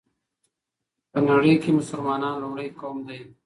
په نړۍ كې مسلمانان لومړى قوم دى